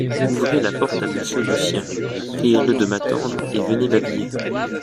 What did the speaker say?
Ouvrez la porte à Monsieur Lucien, priez-le de m'attendre, et venez m'habiller.